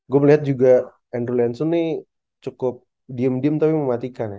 gue melihat juga andrew lenson ini cukup diem diem tapi mematikan ya